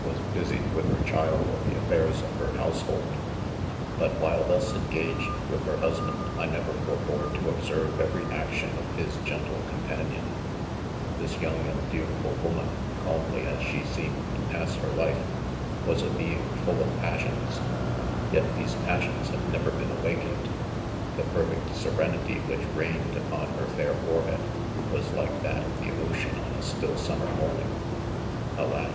was busied with her child or the affairs of her household ; but while thus engag ed with the husoand, I never forbore to observe every action of his gentle companion, This young and dutiful woman, calmly as she seemed to pass her life, was a being full of TuaeQ ii rvnra • trof flnipso Ttsaesiimnci linr! np.T/p.r Kpspti awakened. The perfect serenity which reign ed upon her fair forehead, was like that of the ocean oh a still summer morning, — alas